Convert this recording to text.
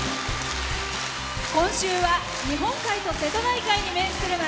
今週は日本海と瀬戸内海に面する町。